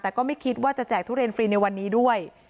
แต่ก็ไม่คิดว่าจะแจกทุเรียนฟรีในวันนี้ด้วย